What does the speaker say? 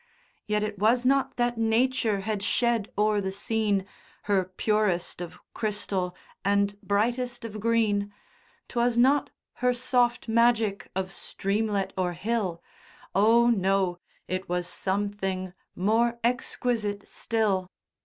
Yet it was not that nature had shed o'er the scene Her purest of crystal and brightest of green; 'Twas not her soft magic of streamlet or hill, Oh! no, it was something more exquisite still.